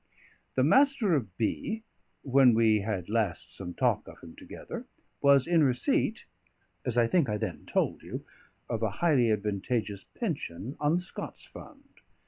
The Master of B. (when we had last some talk of him together) was in receipt, as I think I then told you, of a highly advantageous pension on the Scots Fund.